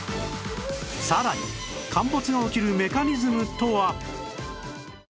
さらに陥没が起きるメカニズムとは？